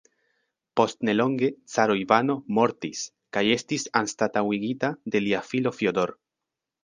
Post nelonge caro Ivano mortis kaj estas anstataŭigita de lia filo Fjodor.